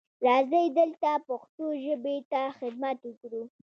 راځئ دلته پښتو ژبې ته خدمت وکړو.